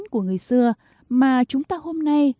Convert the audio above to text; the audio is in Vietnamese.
của người xưa mà chúng ta hôm nay